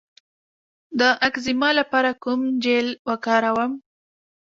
د اکزیما لپاره کوم جیل وکاروم؟